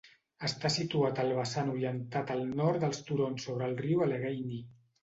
Està situat al vessant orientat al nord dels turons sobre el riu Allegheny.